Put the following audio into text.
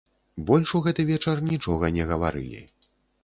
Больш у гэты вечар нічога не гаварылі.